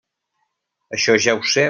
Això ja ho sé.